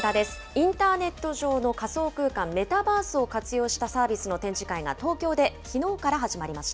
インターネット上の仮想空間・メタバースを活用したサービスの展示会が東京できのうから始まりま